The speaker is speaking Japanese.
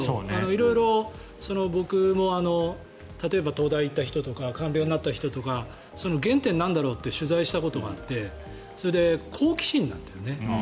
色々僕も例えば東大に行った人とか官僚になった人とか原点ってなんだろうって取材したことがあって好奇心なんだよね。